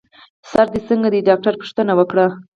سر دي څنګه دی؟ ډاکټر پوښتنه وکړه.